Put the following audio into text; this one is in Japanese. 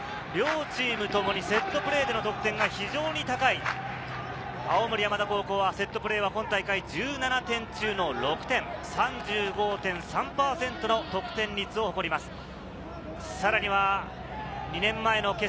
両チームともにセットプレーでの得点が非常に高い青森山田高校はセットプレーは今大会１７点中の６点、３５．３％の得点率を誇ります。